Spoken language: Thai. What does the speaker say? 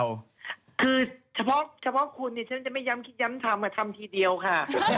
คือเฉพาะคุณเนี่ยฉันจะไม่ย้ำคิดย้ำทำทำทีเดียวค่ะ